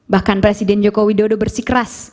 bahkan presiden joko widodo bersikeras